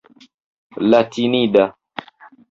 latinida